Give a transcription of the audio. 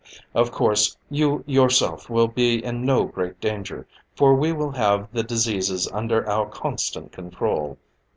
"Of course, you yourself will be in no great danger, for we will have the diseases under our constant control.